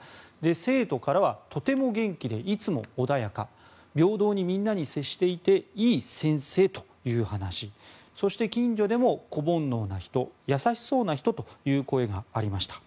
生徒からはとても元気でいつも穏やか平等にみんなに接していていい先生という話そして、近所でも子煩悩な人優しそうな人という声がありました。